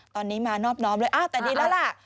ตอนนี้มานอบน้อมเลยอ้าวแต่ดีแล้วล่ะ